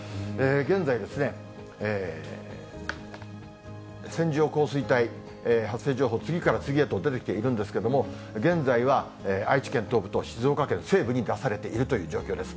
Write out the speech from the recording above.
現在ですね、線状降水帯発生情報、次から次へと出てきているんですけれども、現在は愛知県東部と静岡県西部に出されているという状況です。